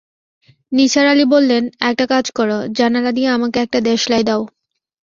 নিসার আলি বললেন, একটা কাজ কর, জানালা দিয়ে আমাকে একটা দেশলাই দাও।